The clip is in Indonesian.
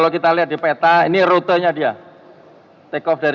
ikut tenggelam ke dalam air